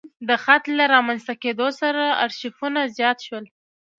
د خط له رامنځته کېدو سره ارشیفونه زیات شول.